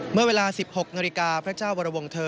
เมื่อเวลา๑๖นาฬิกาพระเจ้าวรวงเธอ